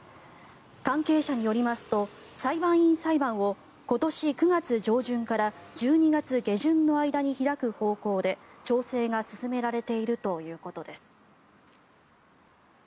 関係者によりますと裁判員裁判を今年９月上旬から１２月下旬の間に開く方向で調整が進められているということです。